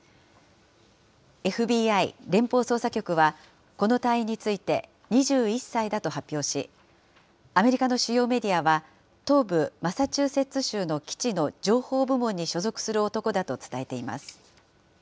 ＦＢＩ・連邦捜査局はこの隊員について、２１歳だと発表し、アメリカの主要メディアは東部マサチューセッツ州の基地の情報部門に所属する男だと伝えています。